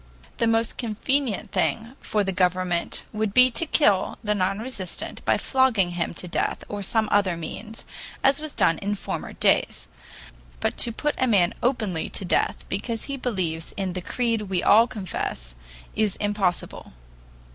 The most convenient thing for the government would be to kill the non resistant by flogging him to death or some other means, as was done in former days. But to put a man openly to death because he believes in the creed we all confess is impossible.